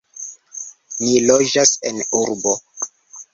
Ni loĝas en urbo.